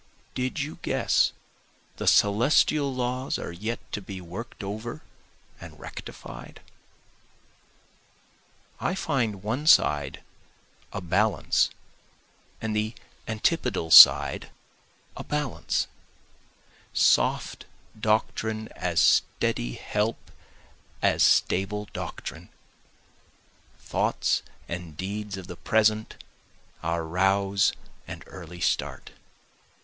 Did you guess the celestial laws are yet to be work'd over and rectified? I find one side a balance and the antipedal side a balance, Soft doctrine as steady help as stable doctrine, Thoughts and deeds of the present our rouse and early start.